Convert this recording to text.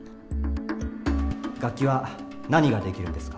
楽器は何ができるんですか？